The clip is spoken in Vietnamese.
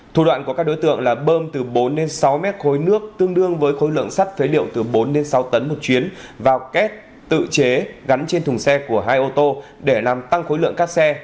thủ đoạn của các đối tượng là bơm từ bốn sáu mét khối nước tương đương với khối lượng sắt phế liệu từ bốn sáu tấn một chuyến vào két tự chế gắn trên thùng xe của hai ô tô để làm tăng khối lượng các xe